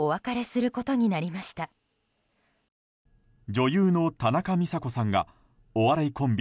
女優の田中美佐子さんがお笑いコンビ